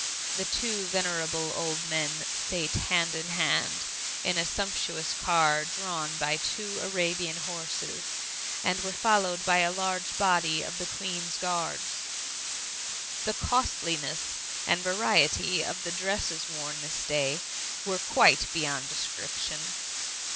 The two venerable old men sate hand in hand in a sumptuous car drawn by two Arabian horses, and were followed by a large body of the Queen's guards. The costliness and variety of the dresses worn this day were quite beyond description.